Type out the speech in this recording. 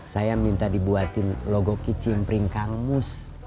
saya minta dibuatin logo kicimpring kangmus